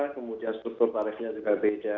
kemudian struktur tarifnya juga beda